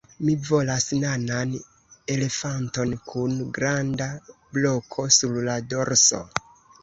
Mi volas nanan elefanton kun granda bloko sur la dorso